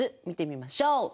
見てみましょう！